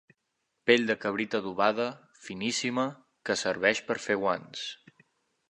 Pell de cabrit adobada, finíssima, que serveix per fer guants.